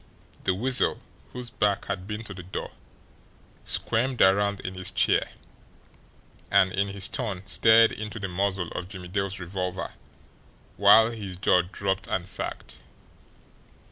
The Weasel, whose back had been to the door, squirmed around in his chair and in his turn stared into the muzzle of Jimmie Dale's revolver, while his jaw dropped and sagged.